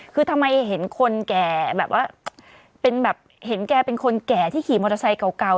คือทำไมเห็นคนแก่แบบว่าเป็นแบบเห็นแกเป็นคนแก่ที่ขี่มอเตอร์ไซค์เก่า